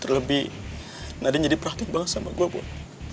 terlebih nadine jadi praktik banget sama gue boy